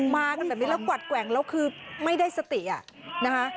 มากันแบบนี้แล้วกวัดแกว่งแล้วคือไม่ได้สติอ่ะนะคะ